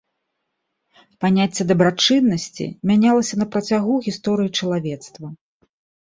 Паняцце дабрачыннасці мянялася на працягу гісторыі чалавецтва.